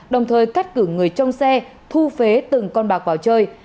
đồng thời cắt cử người trong xe thu phế từng con bạc vào chơi